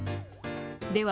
では